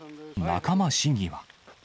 仲間市議は。